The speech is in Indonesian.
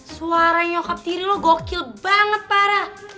suara nyokap tiri lo gokil banget parah